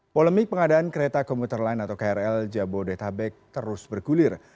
polemik pengadaan kereta komuter lain atau krl jabodetabek terus bergulir